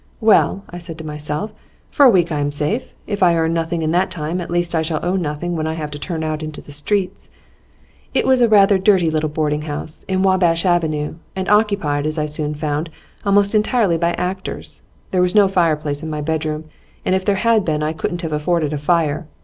"Well," I said to myself, "for a week I am safe. If I earn nothing in that time, at least I shall owe nothing when I have to turn out into the streets." It was a rather dirty little boarding house, in Wabash Avenue, and occupied, as I soon found, almost entirely by actors. There was no fireplace in my bedroom, and if there had been I couldn't have afforded a fire.